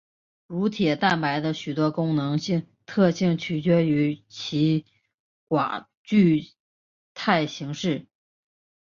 乳铁蛋白的许多功能特性取决于其寡聚态形式。